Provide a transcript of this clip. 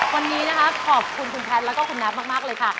วันนี้ขอบคุณแพทส์และคุณนัพมากเลยค่ะ